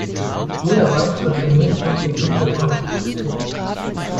Jeder weiß, dass der Mond bloß das Licht der Sonne reflektiert.